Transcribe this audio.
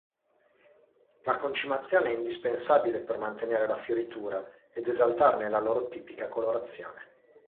La concimazione è indispensabile per mantenere la fioritura ed esaltarne la loro tipica colorazione.